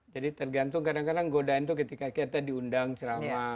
jadi tergantung kadang kadang godain tuh ketika kita diundang ceramah